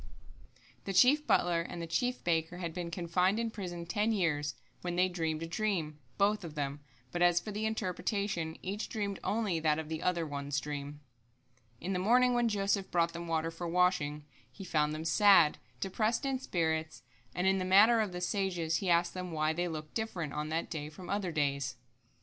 1] The chief butler and the chief baker had been confined in prison ten years, when they dreamed a dream, both of them, but as for the interpretation, each dreamed only that of the other one's dream. In the morning when Joseph brought them the water for washing, he found them sad, depressed in spirits, and, in the manner of the sages, he asked them why they looked different on that day from other days.